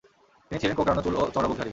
তিনি ছিলেন কোকড়ানো চুল ও চওড়া বুকধারী।